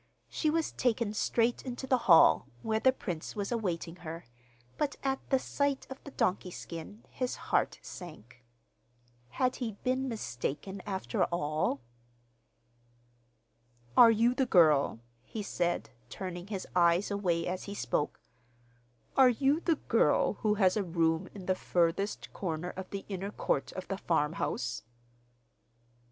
She was taken straight into the hall, where the prince was awaiting her, but at the sight of the donkey skin his heart sank. Had he been mistaken after all? 'Are you the girl,' he said, turning his eyes away as he spoke, 'are you the girl who has a room in the furthest corner of the inner court of the farmhouse?